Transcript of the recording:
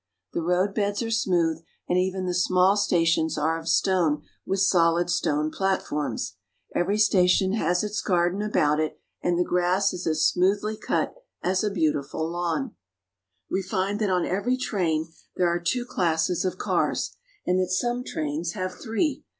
The roadbeds are smooth, and even the small stations are of stone with solid stone platforms. Every station has its garden about it, and the grass is as smoothly cut as a beautiful lawn. We find that on every train there are two classes of cars, and that some trains have three.